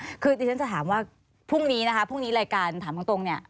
คือดิฉันจะถามว่าพรุ่งนี้นะคะพรุ่งนี้รายการถามตรงเนี่ย